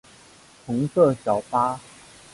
红色小巴